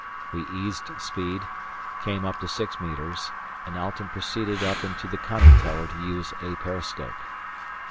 We eased speed, came up to six metres, and Alten proceeded up into the conning tower to use "A" periscope.